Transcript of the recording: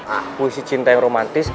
ah puisi cinta yang romantis